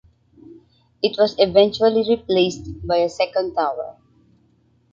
It was eventually replaced by a second tower.